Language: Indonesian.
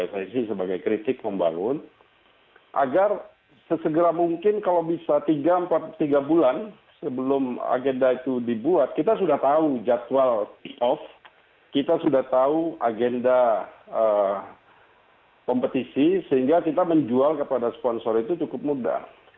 jadi saya ingin memberikan arah kepada pelanggan cara untuk membangun agar sesegera mungkin kalau bisa tiga empat bulan sebelum agenda itu dibuat kita sudah tahu jadwal off kita sudah tahu agenda kompetisi sehingga kita menjual kepada sponsor itu cukup mudah